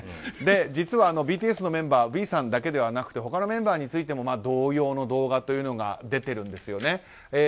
実は、ＢＴＳのメンバーはＶさんだけではなくて他のメンバーについても同様の動画が出ているんですよね。